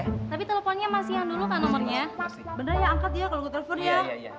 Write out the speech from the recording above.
tapi telfonnya masih yang dulu kan nomernya